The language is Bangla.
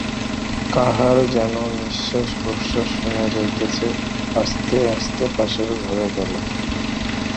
কাহার যেন নিশ্বাসপ্রশ্বাস শুনা যাইতেছে– আস্তে আস্তে পাশের ঘরে গেল।